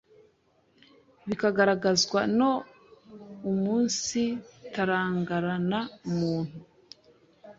bikagaragazwa no umunsitarangarana umuntu